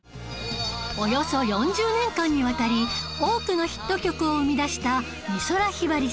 およそ４０年間にわたり多くのヒット曲を生み出した美空ひばりさん